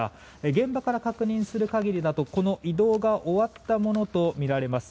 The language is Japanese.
現場から確認する限りだとこの移動が終わったものとみられます。